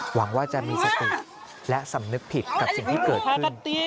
หวังว่าจะมีสติและสำนึกผิดกับสิ่งที่เกิดขึ้น